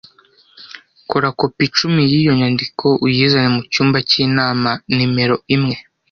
Kora kopi icumi yiyo nyandiko uyizane mucyumba cyinama nimero imwe.